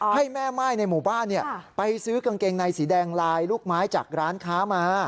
ให้แม่ม่ายในหมู่บ้านไปซื้อกางเกงในสีแดงลายลูกไม้จากร้านค้ามา